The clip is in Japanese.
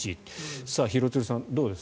廣津留さん、どうです？